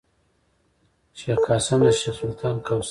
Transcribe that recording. شېخ قاسم د شېخ سلطان کوسی دﺉ.